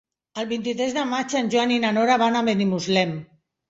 El vint-i-tres de maig en Joan i na Nora van a Benimuslem.